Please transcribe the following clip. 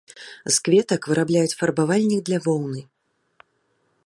З кветак вырабляюць фарбавальнік для воўны.